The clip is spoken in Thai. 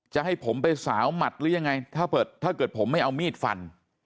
จะให้ผมไปสาวหมัดหรือยังไงถ้าเกิดถ้าเกิดผมไม่เอามีดฟัน